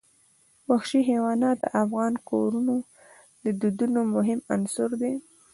وحشي حیوانات د افغان کورنیو د دودونو مهم عنصر دی.